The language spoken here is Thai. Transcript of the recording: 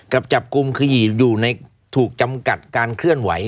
กับจับกลุ่มคืออยู่ในถูกจำกัดการเคลื่อนไหว